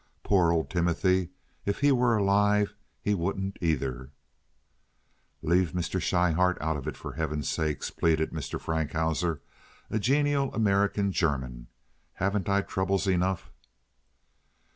Poor old Timothy—if he were alive—he wouldn't either." "Leave Mr. Schryhart out of it, for Heaven's sake," pleaded Mr. Frankhauser, a genial American German. "Haven't I troubles enough?"